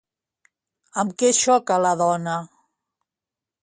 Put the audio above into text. Amb què xoca la dona?